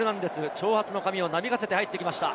長髪の髪をなびかせて入ってきました。